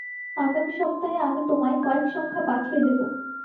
আগামী সপ্তাহে আমি তোমায় কয়েক সংখ্যা পাঠিয়ে দেব।